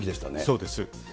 そうです。